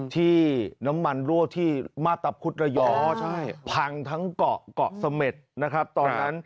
ที่น้ำมันรั่วที่มาตะพุทธระยองพังทั้งเกาะเกาะเสม็ดนะครับตอนนั้น